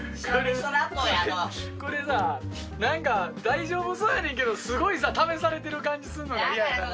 これこれさ何か大丈夫そうやねんけどすごい試されてる感じすんのが嫌やな。